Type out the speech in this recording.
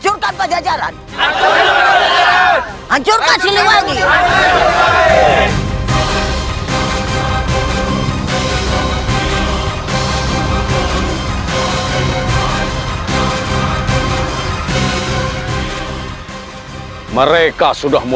kemampuan andalak kannst vitamin wilayah